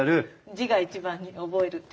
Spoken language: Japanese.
字が一番に覚えるって。